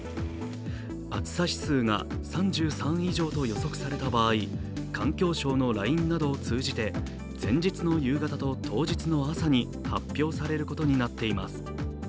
暑さ指数が３３以上と予測された場合、環境省のＬＩＮＥなどを通じて前日の夕方と当日の朝に発表されることになっています。